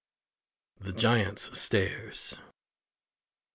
THE GIANT'S STAIRS.